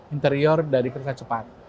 interior dari kereta cepat